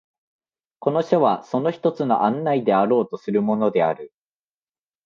この書はその一つの案内であろうとするものである。